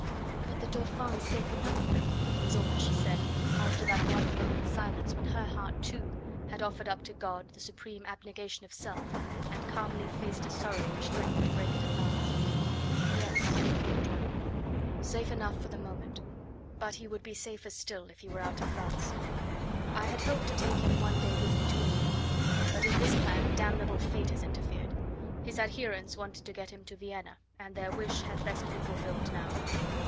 "But the Dauphin is safe enough now," was all that she said, after that one moment's silence when her heart, too, had offered up to God the supreme abnegation of self, and calmly faced a sorrow which threatened to break it at last. "Yes!" he rejoined quietly, "safe enough for the moment. But he would be safer still if he were out of France. I had hoped to take him one day with me to England. But in this plan damnable Fate has interfered. His adherents wanted to get him to Vienna, and their wish had best be fulfilled now.